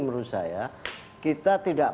menurut saya kita tidak